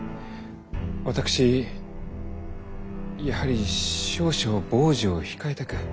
私やはり少々房事を控えたく。